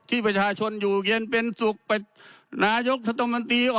ที่ประชาชนอยู่เกณฑ์เป็นสุขประกาศนายกสัตว์มันตรี